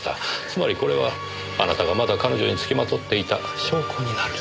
つまりこれはあなたがまだ彼女に付きまとっていた証拠になる。